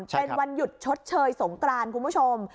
เป็นวันหยุดชดเชยสงกรานคุณผู้ชม